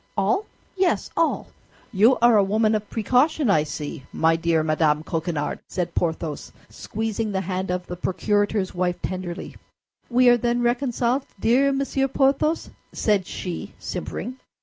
"All?" "Yes, all." "You are a woman of precaution, I see, my dear Madame Coquenard," said Porthos, squeezing the hand of the procurator's wife tenderly. "We are then reconciled, dear Monsieur Porthos?" said she, simpering.